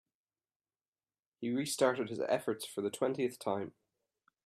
He restarted his efforts for the twentieth time.